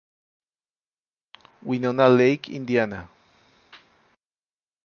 Winona Lake, Ind.